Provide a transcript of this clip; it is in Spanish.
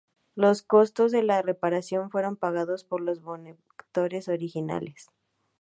Los costos de la reparación fueron pagados por los benefactores originales.